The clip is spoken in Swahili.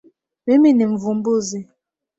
Mimi ni mvumbuzi.